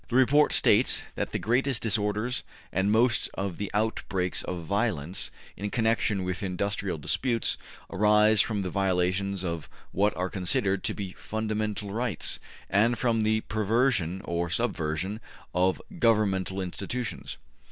The report states that ``the greatest disorders and most of the outbreaks of violence in connection with industrial `disputes arise from the violation of what are considered to be fundamental rights, and from the perversion or subversion of governmental institutions'' (p.